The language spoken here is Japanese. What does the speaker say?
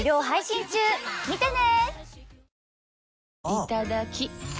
いただきっ！